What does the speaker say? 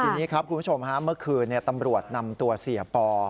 ทีนี้ครับคุณผู้ชมฮะเมื่อคืนตำรวจนำตัวเสียปอ